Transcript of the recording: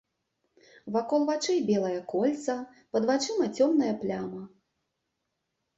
Вакол вачэй белае кольца, пад вачыма цёмная пляма.